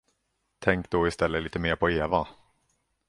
Tänk då i stället litet mer på Eva.